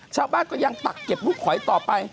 ชาวบ้านก็ยังตักเก็บลูกหอยต่อไป